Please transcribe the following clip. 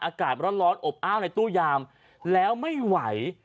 อากาศร้อนอบอ้าวในตู้ยามแล้วไม่ไหว